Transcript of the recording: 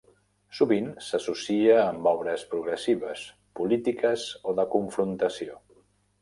Sovint s'associa amb obres progressives, polítiques o de confrontació.